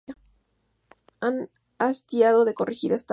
Tan hastiado de corregir estaba.